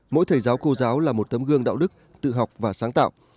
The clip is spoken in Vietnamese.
mỗi thầy giáo cô giáo là một tấm gương đạo đức tự học và sáng tạo